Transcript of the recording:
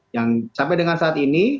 yang sampai dengan saat ini